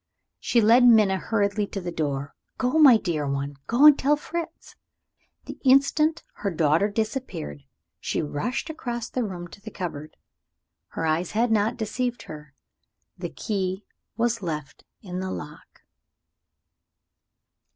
She led Minna hurriedly to the door. "Go, my dear one go and tell Fritz!" The instant her daughter disappeared, she rushed across the room to the cupboard. Her eyes had not deceived her. The key was left in the lock.